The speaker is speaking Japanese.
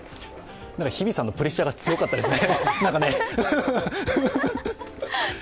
日比さんのプレッシャーが強かったですね。